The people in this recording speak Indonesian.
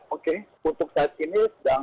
oke untuk saat ini